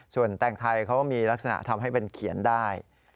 ส่วนแต่งไทยเขาก็มีลักษณะทำให้เป็นเขียนได้